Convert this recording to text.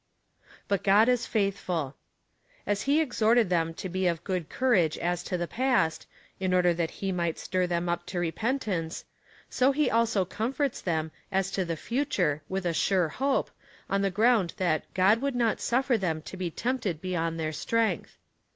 But God is faithful. As he exhorted them to be of good courage as to the past, in order that he might stir them up to repentance, so he also comforts them as to the future with a sure hope, on the ground that God tuould not suffer them to be tempted beyond their strength.